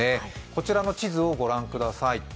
こちらの地図をご覧ください。